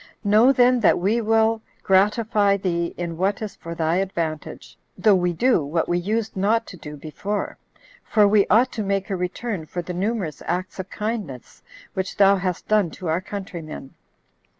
Know then that we will gratify thee in what is for thy advantage, though we do what we used not to do before; for we ought to make a return for the numerous acts of kindness which thou hast done to our countrymen.